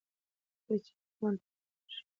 چې کله منطق ختم شي عقل د احساساتو تابع شي.